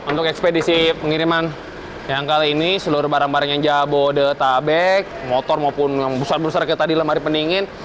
untuk ekspedisi pengiriman yang kali ini seluruh barang barang yang jabodetabek motor maupun yang besar besar kayak tadi lemari pendingin